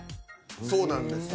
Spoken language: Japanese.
そうなんですよ